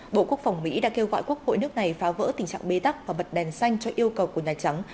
bộ quốc phòng mỹ đã kêu gọi quốc hội nước này phá vỡ tình trạng bê tắc và bật đèn xanh cho yêu cầu của nhà trắng